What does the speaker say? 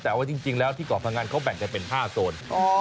แต่ว่าจริงแล้วที่เกาะพังอันเขาแบ่งกันเป็น๕โซน